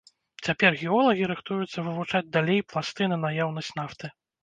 Цяпер геолагі рыхтуюцца вывучаць далей пласты на наяўнасць нафты.